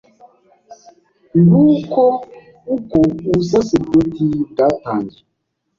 Nguko uko Ubusaseridoti bwatangiye